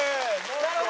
なるほど！